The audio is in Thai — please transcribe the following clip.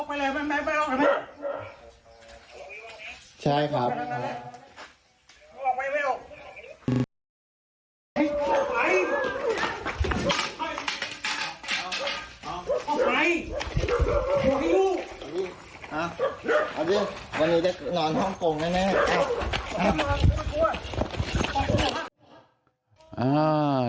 วันนี้จะนอนห้องโกงไหมแม่